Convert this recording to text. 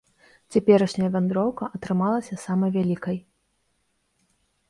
Цяперашняя вандроўка атрымалася самай вялікай.